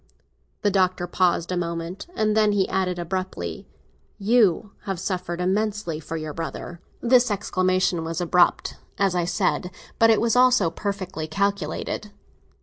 The Doctor paused a moment, and then he added abruptly, "You have suffered immensely for your brother!" This exclamation was abrupt, as I say, but it was also perfectly calculated.